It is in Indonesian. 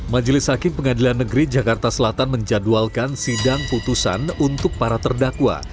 majelis hakim pengadilan negeri jakarta selatan menjadwalkan sidang putusan untuk para terdakwa